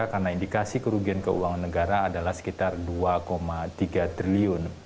karena indikasi kerugian keuangan negara adalah sekitar dua tiga triliun